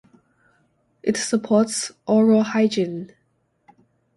It supports oral hygiene.